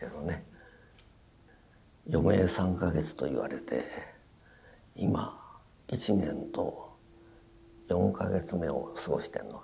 余命３か月と言われて今１年と４か月目を過ごしてるのかな。